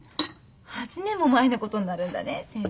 ８年も前のことになるんだね先生。